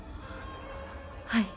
はい。